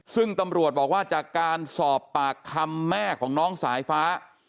ซึ่งตำรวจบอกว่าจากการสอบปากคำแม่ของน้องสายฟ้า